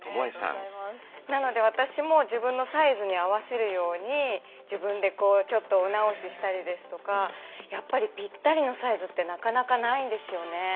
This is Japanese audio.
なので私も自分のサイズに合わせるように自分でちょっとお直ししたりですとかやっぱりぴったりのサイズってなかなかないんですよね。